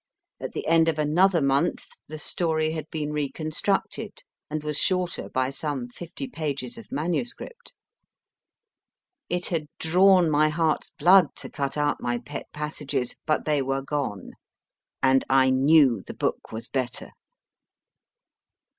At the end of another month the story had been reconstructed, and was shorter by some fifty pages of manuscript. It had drawn my heart s blood to cut out my pet passages, but they were gone, and I HALL CA1NE knew the book was better.